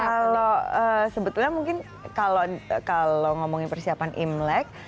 kalau sebetulnya mungkin kalau ngomongin persiapan imlek